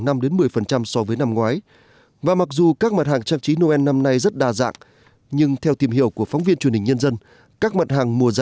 năm nay nước nổi về dẫu có muộn màng nhưng lại nhiều cá tôm hơn hẳn năm ngoái